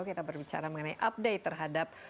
kita berbicara mengenai update terhadap